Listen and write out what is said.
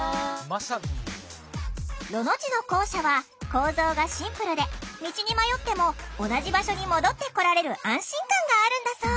ロの字の校舎は構造がシンプルで道に迷っても同じ場所に戻ってこられる安心感があるんだそう。